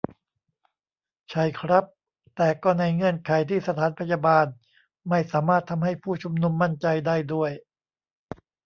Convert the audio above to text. ใช่ครับ แต่ก็ในเงื่อนไขที่สถานพยาบาลไม่สามารถทำให้ผู้ชุมนุมมั่นใจได้ด้วย